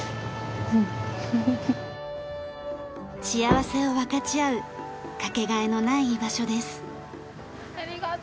幸せを分かち合うかけがえのない居場所です。